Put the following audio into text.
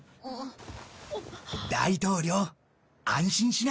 大統領安心しな。